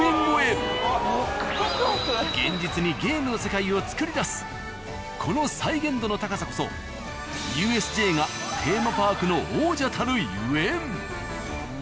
現実にゲームの世界を作り出すこの再現度の高さこそＵＳＪがテーマパークの王者たるゆえん。